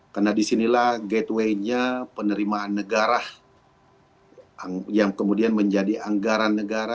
karena disinilah gateway nya penerimaan negara yang kemudian menjadi anggaran negara